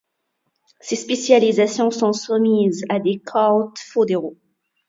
Ces spécialisations sont soumises à des quotas fédéraux.